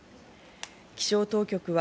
気象当局は